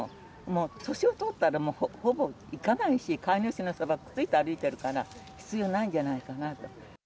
もう年を取ったら、もう、ほぼ行かないし、飼い主のそば、くっついて歩いてるから必要ないんじゃないかなと。